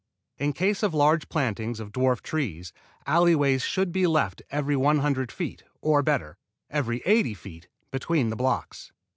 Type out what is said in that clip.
In case of large plantings of dwarf trees alley ways should be left every one hundred feet, or better, every eighty feet, between the blocks.